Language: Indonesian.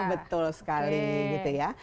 betul sekali gitu ya